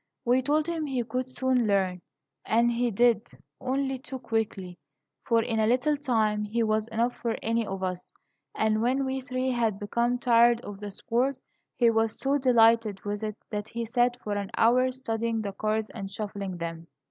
We told him he could soon learn, and he did, only too quickly; for, in a little time, he was enough for any of us; and when we three had become tired of the sport, he was so delighted with it that he sat for an hour studying the cards and shuffling them.